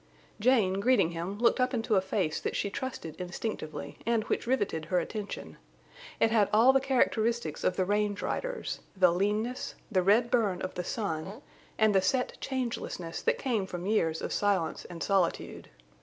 Jane, greeting him, looked up into a face that she trusted instinctively and which riveted her attention. It had all the characteristics of the range rider's—the leanness, the red burn of the sun, and the set changelessness that came from years of silence and solitude.